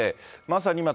まさに今、